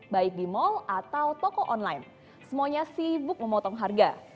baik di mal atau toko online semuanya sibuk memotong harga